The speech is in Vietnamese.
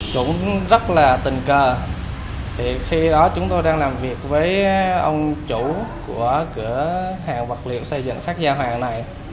cũng rất là tình cờ khi đó chúng tôi đang làm việc với ông chủ của cửa hàng vật liệu xây dựng sát gia hoàng này